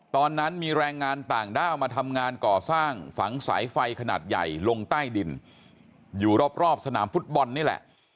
ตอนนั้นมีแรงงานต่างด้าวมาทำงานก่อสร้างฝังสายไฟขนาดใหญ่ลงใต้ดินอยู่รอบสนามฟุตบอลนี่แหละ